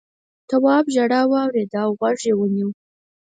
تواب ژړا واورېده او غوږ یې ونيو.